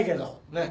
ねっ。